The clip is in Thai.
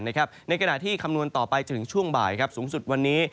ในขณะที่คำนวณต่อไปจนถึงช่วงบ่ายสูงสุดวันนี้